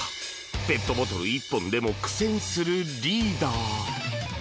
ペットボトル１本でも苦戦するリーダー。